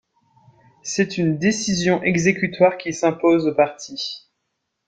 C'est une décision exécutoire qui s'impose aux parties.